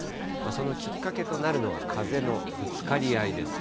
そのきっかけとなるのが風のぶつかり合いです。